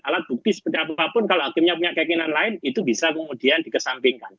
alat bukti seperti apapun kalau hakimnya punya keinginan lain itu bisa kemudian dikesampingkan